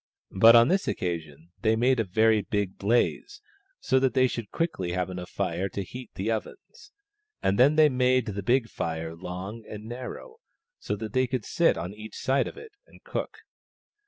But on this occasion they made a very big blaze, so that they should quickly have enough fire to heat the ovens ; and then they made the big fire long and narrow, so that they could sit on each side of it and cook.